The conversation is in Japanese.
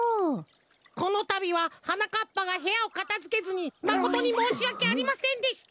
このたびははなかっぱがへやをかたづけずにまことにもうしわけありませんでした。